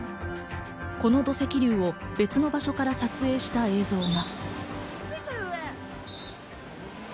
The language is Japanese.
この土石流を別の場所から撮影した映像が。